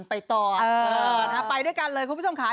ไปต่อไปด้วยกันเลยคุณผู้ชมค่ะ